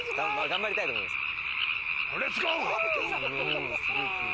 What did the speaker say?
頑張りたいと思います。